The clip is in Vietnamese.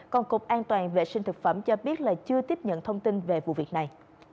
còn cục an toàn vệ sinh thực phẩm cho biết là chưa tiếp nhận thông tin về vụ việc này